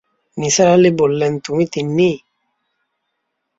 নিসার আলি বললেন, তুমি তিন্নি?